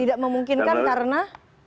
tidak memungkinkan karena